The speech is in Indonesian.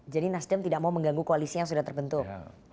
jadi nasdem tidak mau mengganggu koalisi yang sudah terbentuk